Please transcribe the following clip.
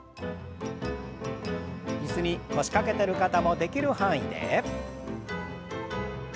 椅子に腰掛けてる方もできる範囲で。